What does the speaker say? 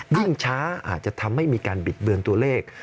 ยิ่งช้าอาจจะทำให้มีการบิดเบือนตัวเลข